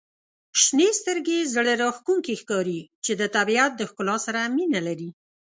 • شنې سترګي زړه راښکونکي ښکاري چې د طبیعت د ښکلا سره مینه لري.